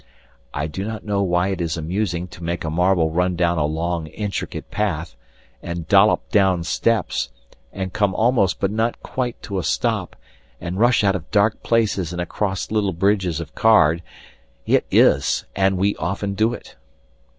I do not know why it is amusing to make a marble run down a long intricate path, and dollop down steps, and come almost but not quite to a stop, and rush out of dark places and across little bridges of card: it is, and we often do it.